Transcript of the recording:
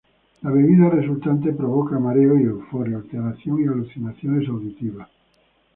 La bebida resultante provoca mareo y euforia, alteración y alucinaciones auditivas.